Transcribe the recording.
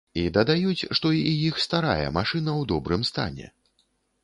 І дадаюць, што і іх старая машына ў добрым стане.